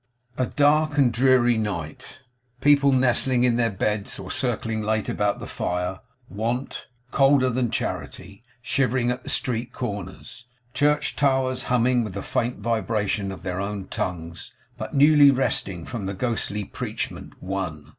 A dark and dreary night; people nestling in their beds or circling late about the fire; Want, colder than Charity, shivering at the street corners; church towers humming with the faint vibration of their own tongues, but newly resting from the ghostly preachment 'One!